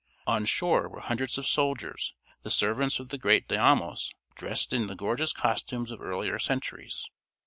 On shore were hundreds of soldiers, the servants of the great daimios, dressed in the gorgeous costumes of earlier centuries.